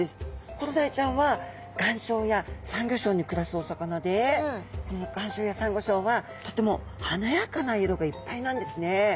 コロダイちゃんは岩礁やサンゴ礁に暮らすお魚でこの岩礁やサンゴ礁はとても華やかな色がいっぱいなんですね。